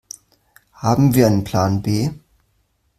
Haben wir einen Plan B?